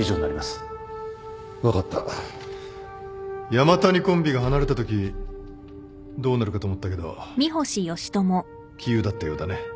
山谷コンビが離れたときどうなるかと思ったけど杞憂だったようだね。